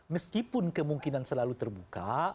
meskipun kemungkinan selalu terbuka